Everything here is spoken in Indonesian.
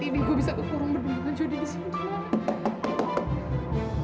saya hati nih gua bisa kekurungan bukan jody di sini